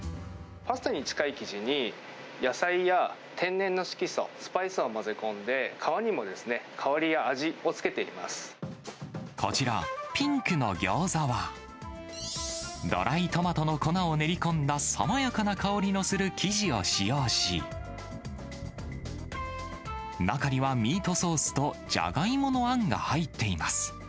パスタに近い生地に、野菜や天然の色素、スパイスを混ぜ込んで、こちら、ピンクのギョーザは、ドライトマトの粉を練り込んだ爽やかな香りのする生地を使用し、中にはミートソースとジャガイモのあんが入っています。